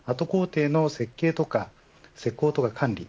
工程の設計とか施工とかの管理